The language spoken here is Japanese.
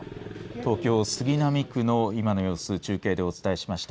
東京、杉並区の今の様子中継でお伝えしました。